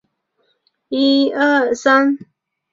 加泽伊河畔勒莫纳斯捷人口变化图示